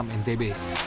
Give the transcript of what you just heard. di mataram ntb